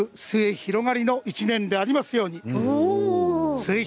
末広がりの１年でありますように。